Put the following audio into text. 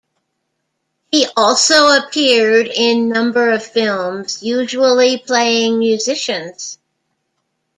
He also appeared in number of films, usually playing musicians.